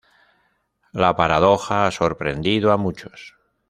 La paradoja ha sorprendido a muchos.